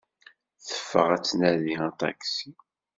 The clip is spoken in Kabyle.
Teffeɣ ad d-tnadi aṭaksi.